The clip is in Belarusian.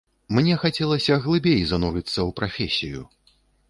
Мне хацелася глыбей занурыцца ў прафесію.